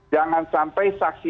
jangan sampai saksi